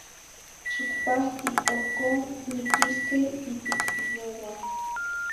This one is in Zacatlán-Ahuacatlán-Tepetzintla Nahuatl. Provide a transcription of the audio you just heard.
Xicpahti, ohcon miquisqueh iticpiyouan